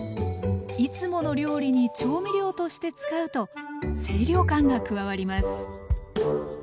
いつもの料理に調味料として使うと清涼感が加わります